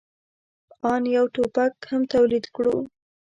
آن یو ټوپک هم تولید کړو.